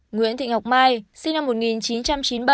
nguyễn thị ngọc mai sinh năm một nghìn chín trăm chín mươi ba